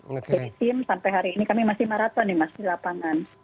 jadi tim sampai hari ini kami masih maraton di lapangan